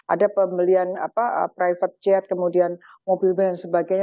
ada pembelian private jet kemudian mobil dan sebagainya